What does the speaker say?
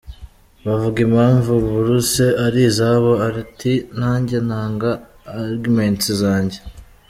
Bavuga impamvu bourses ari izabo, ati nanjye ntanga arguments zanjye.